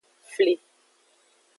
Fli.